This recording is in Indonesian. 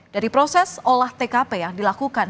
dari proses olah tkp yang dilakukan